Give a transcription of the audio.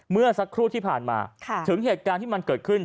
เมื่อสักครู่ที่ผ่านมาถึงเหตุการณ์ที่มันเกิดขึ้น